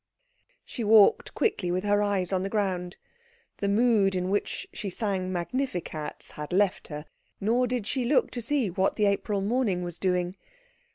She walked quickly, with her eyes on the ground. The mood in which she sang magnificats had left her, nor did she look to see what the April morning was doing.